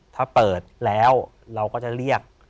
ถ้าเปิดแล้วเราก็จะเรียก